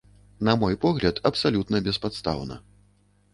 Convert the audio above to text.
На мой погляд, абсалютна беспадстаўна.